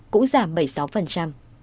cũng giảm bảy mươi sáu